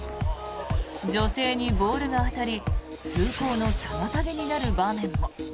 女性にボールが当たり通行の妨げになる部分も。